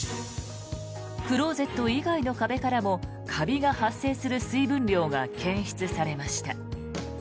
クローゼット以外の壁からもカビが発生する水分量が検出されました。